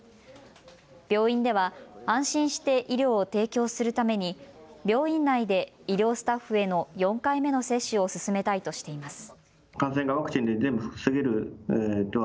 病院では安心して医療を提供するために、病院内で医療スタッフへの４回目の接種を進めたいとしています。